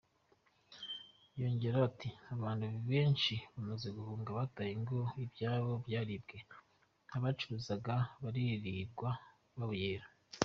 Yongeraho ati : ”Abantu benshi bamaze guhunga, bataye ingo, ibyabo byaribwe, abacuruzaga baririrwa babuyera”.